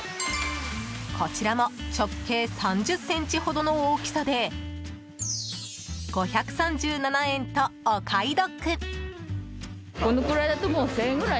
こちらも直径３０ｃｍほどの大きさで５３７円と、お買い得。